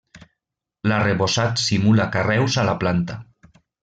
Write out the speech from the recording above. L'arrebossat simula carreus a la planta.